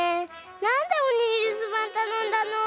なんで鬼にるすばんたのんだの？